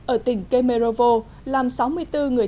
ở tỉnh kemerovo làm sáu mươi bốn người